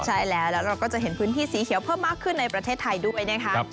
ใช่แล้วแล้วเราก็จะเห็นพื้นที่สีเขียวเพิ่มมากขึ้นในประเทศไทยด้วยนะคะ